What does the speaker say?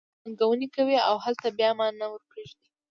هلته ننګونې کوې او دلته بیا ما نه ور پرېږدې.